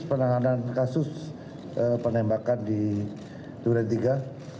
penanganan kasus penembakan di turentiga